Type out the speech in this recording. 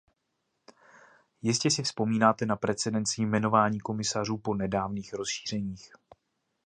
Jistě si vzpomínáte na precedens jmenování komisařů po nedávných rozšířeních.